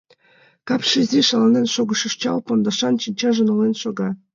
Капше изи, шаланен шогышо чал пондашан, шинчаже нолен шога.